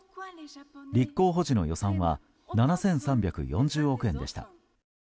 立候補時の予算は７３４０億円でした。